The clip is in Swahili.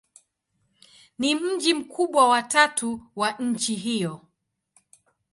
Ni mji mkubwa wa tatu wa nchi hiyo.